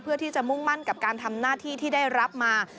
เพื่อที่จะมุ่งมั่นกับการทำหน้าที่ที่ได้รับมา